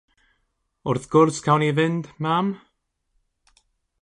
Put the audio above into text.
Wrth gwrs cawn ni fynd, mam?